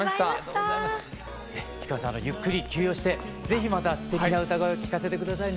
ゆっくり休養して是非またすてきな歌声を聴かせて下さいね。